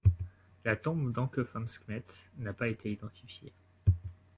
La tombe d'Ânkhefenskhmet n'a pas été identifiée.